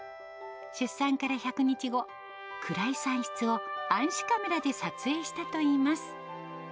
出産から１００日後、暗い産室を暗視カメラで撮影したといいます。